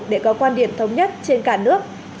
để có quan điểm thống nhất trên cả nước